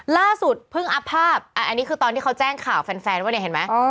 ล่าสุดเพิ่งอัพภาพอันนี้คือตอนที่เขาแจ้งข่าวแฟนว่าเนี่ยเห็นไหม